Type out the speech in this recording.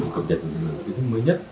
cập nhật kiến thức mới nhất